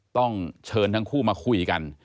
ต้องเชิญทั้งคู่มาคุยกัน